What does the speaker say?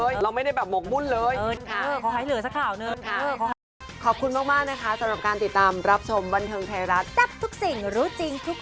สร้างความสุขหน้าจอไม่มีอะไรหรอก